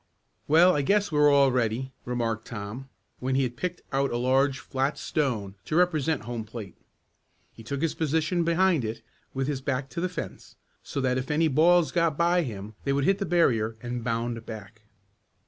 "Well, I guess we're all ready," remarked Tom, when he had picked out a large flat stone to represent home plate. He took his position behind it, with his back to the fence, so that if any balls got by him they would hit the barrier and bound back.